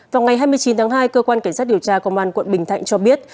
vào ngày hai mươi chín tháng hai cơ quan cảnh sát điều tra công an quận bình thạnh cho biết